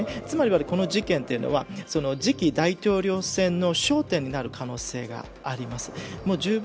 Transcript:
つまり、この事件というのは次期大統領選の焦点になる可能性があります。